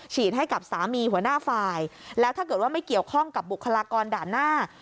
ให้กับสามีหัวหน้าฝ่ายแล้วถ้าเกิดว่าไม่เกี่ยวข้องกับบุคลากรด่านหน้า